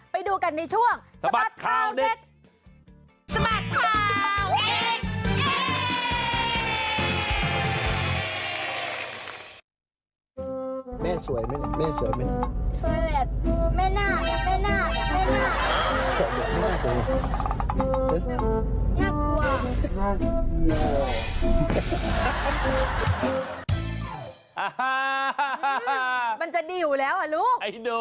ไปดูกันในช่วงสป๊าดขาวเด็ก